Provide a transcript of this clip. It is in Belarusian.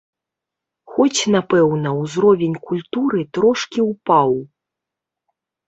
Хоць, напэўна, ўзровень культуры трошкі ўпаў.